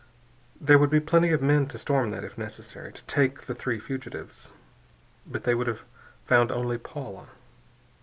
There would be plenty of men to storm that, if necessary, to take the three fugitives. But they would have found only Paula.